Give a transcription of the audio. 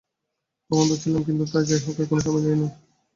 তখন তো ছিলাম, কিন্তু তা যাই হোক, এখনো সময় যায় নাই।